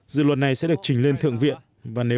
dự luật này sẽ được trình lên thượng viện